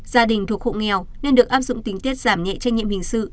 gia đình thuộc hộ nghèo nên được áp dụng tình tiết giảm nhẹ trách nhiệm hình sự